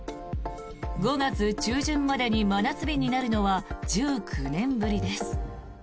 ５月中旬までに真夏日になるのは１９年ぶりです。